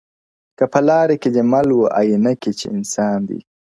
• که په لاري کي دي مل و آیینه کي چي انسان دی,